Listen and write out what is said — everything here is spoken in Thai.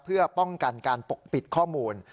เพื่อป้องกันการปกปิดข้อมูล